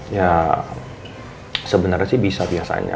ya sebenarnya sih bisa biasanya